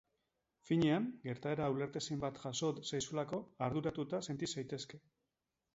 Finean, gertaera ulertezin bat jazo zaizulako, arduratuta senti zaitezke.